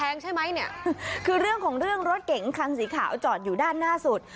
ใช่ไหมเนี่ยคือเรื่องของเรื่องรถเก๋งคันสีขาวจอดอยู่ด้านหน้าสุด